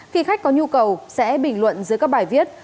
khi khách có nhu cầu sẽ bình luận dưới các bài viết